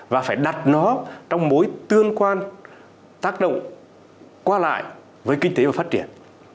và phải đặt nó trong mối tương quan tác động qua lại với kinh tế và phát triển